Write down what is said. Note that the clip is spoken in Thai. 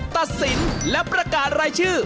ตัดสินและประกาศรายชื่อ